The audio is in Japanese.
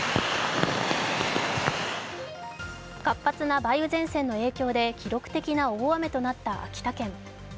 活発な梅雨前線の影響で記録的な大雨となった秋田県。